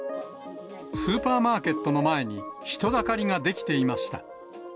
スーパーマーケットの前に、人だかりが出来ていました。